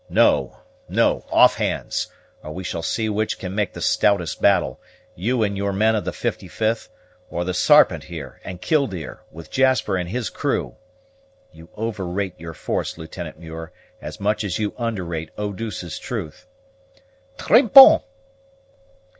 No, no; off hands, or we shall see which can make the stoutest battle; you and your men of the 55th, or the Sarpent here, and Killdeer, with Jasper and his crew. You overrate your force, Lieutenant Muir, as much as you underrate Eau douce's truth." "_Tres bon!